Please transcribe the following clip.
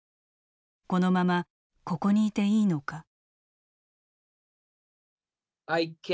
このまま、ここにいていいのか。